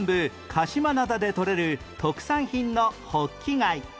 鹿島灘で取れる特産品の北寄貝